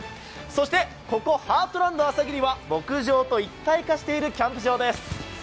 そして、ここハートランド朝霧は牧場と一体化しているキャンプ場です。